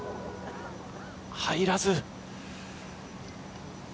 入らず。